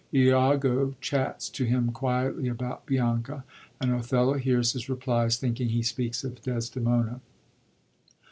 lago chats to him quietly about Bianca, and Othello hears his replies, thinking he speaks of Desdemona.